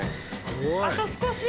あと少し。